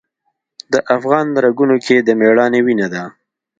د افغان رګونو کې د میړانې وینه ده.